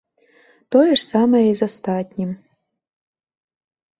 Тое ж самае і з астатнім.